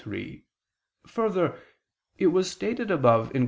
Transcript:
3: Further, it was stated above (Q.